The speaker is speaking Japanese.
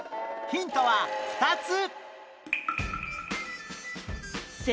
ヒントは２つ！